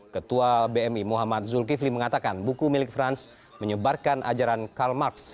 ketua bmi muhammad zulkifli mengatakan buku milik franz menyebarkan ajaran calmarks